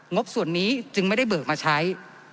บส่วนนี้จึงไม่ได้เบิกมาใช้